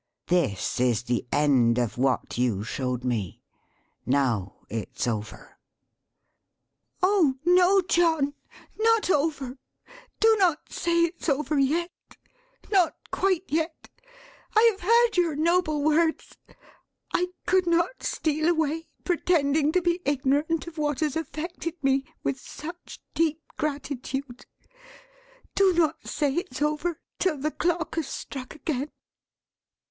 This is the end of what you showed me. Now, it's over!" "Oh no, John, not over. Do not say it's over yet! Not quite yet. I have heard your noble words. I could not steal away, pretending to be ignorant of what has affected me with such deep gratitude. Do not say it's over, 'till the clock has struck again!"